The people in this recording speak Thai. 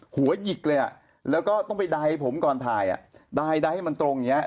หัวหญิกเลยอะแล้วก็ต้องไปได้ผมก่อนถ่ายได้ได้ให้มันโตรงอย่างนี้